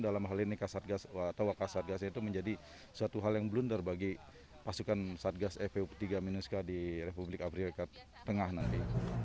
dalam hal ini kasat gas atau wakasat gas itu menjadi suatu hal yang blunder bagi pasukan satgas fpu tiga minus k di republik afrika tengah nanti